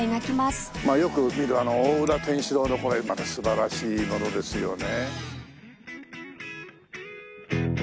まあよく見る大浦天主堂のこれまた素晴らしいものですよね。